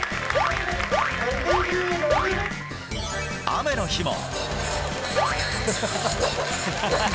雨の日も。